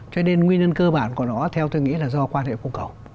cho nên nguyên nhân cơ bản của nó theo tôi nghĩ là do quan hệ cung cầu